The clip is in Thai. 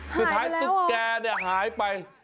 สุดท้ายตุ๊กแกหายไป